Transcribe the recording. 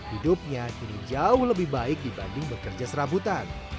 hidupnya kini jauh lebih baik dibanding bekerja serabutan